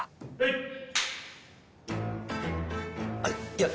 はい。